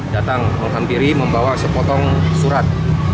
datang menghampiri membawa sepotong surat